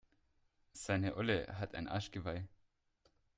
Seine Olle hat ein Arschgeweih.